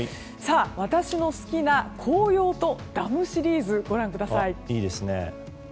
私の好きな紅葉とダムシリーズご覧ください。